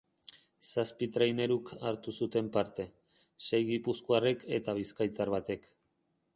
Zazpi traineruk hartu zuten parte, sei gipuzkoarrek eta bizkaitar batek.